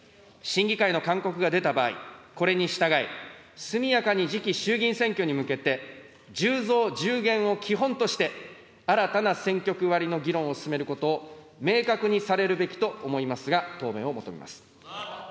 審議会の勧告が出た場合、これに従い、速やかに次期衆議院選挙に向けて、１０増１０減を基本的として、新たな選挙区割りの議論を進めることを明確にされるべきと思いますが、答弁を求めます。